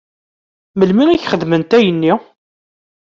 Melmi i k-xedment ayenni?